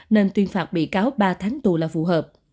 nên tuyên phạt bị cáo ba tháng tù là phù hợp